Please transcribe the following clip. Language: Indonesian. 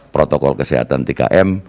protokol kesehatan tiga m